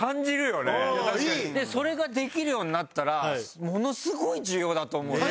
それができるようになったらものすごい需要だと思うよ。